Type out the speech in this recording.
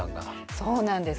そうなんです。